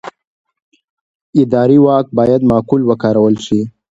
اداري واک باید معقول وکارول شي.